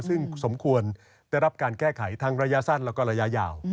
ซึ่งสมควรได้รับการแก้ไขทั้งระยะสั้นแล้วก็ระยะยาว